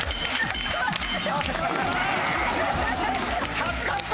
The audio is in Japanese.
助かった！